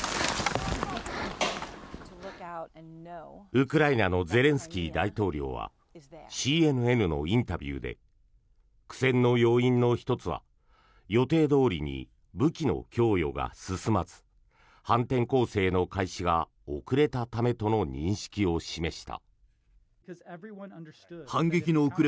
ウクライナのゼレンスキー大統領はＣＮＮのインタビューで苦戦の要因の１つは予定どおりに武器の供与が進まず反転攻勢の開始が遅れたためとの認識を示した。